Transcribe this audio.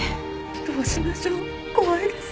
どうしましょう怖いです。